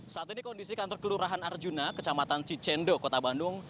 saat ini kondisi kantor kelurahan arjuna kecamatan cicendo kota bandung